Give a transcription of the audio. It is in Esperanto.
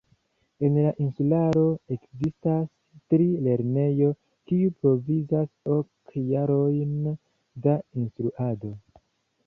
En la insularo ekzistas tri lernejoj, kiuj provizas ok jarojn da instruado.